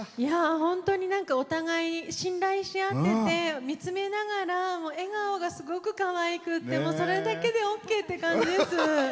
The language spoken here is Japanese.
本当にお互いに信頼しあってて見つめながら笑顔がすごくかわいくって、それだけでオーケーって感じです！